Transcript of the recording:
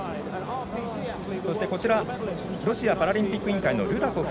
こちらロシアパラリンピック委員会のルダコフ。